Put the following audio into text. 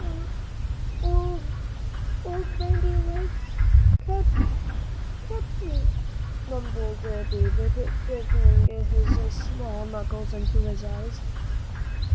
"An' old old Bandy Legs'll catch catch me," mumbled David, digging his small knuckles into his eyes.